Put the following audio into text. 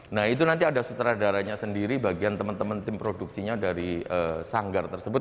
nah itu nanti ada sutradaranya sendiri bagian teman teman tim produksinya dari sanggar tersebut